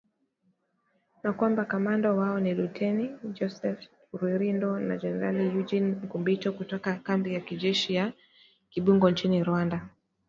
Na kwamba kamanda wao ni Luteni Joseph Rurindo na Generali Eugene Nkubito, kutoka kambi ya kijeshi ya Kibungo nchini Rwanda